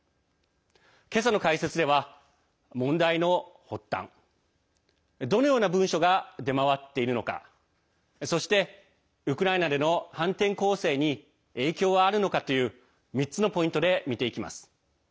今朝の解説では問題の発端どのような文書が出回っているのかそしてウクライナでの反転攻勢に影響はあるのかという３つのポイントで見ていきます。